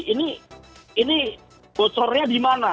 ini bocornya di mana